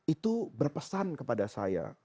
itu berpesan kepada saya